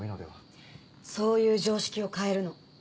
そういう常識を変えるの。